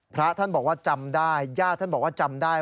พระท่านบอกว่าจำได้ญาติท่านบอกว่าจำได้